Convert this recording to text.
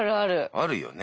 あるよね。